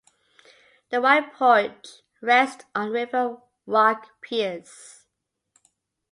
The wide porch rests on river rock piers.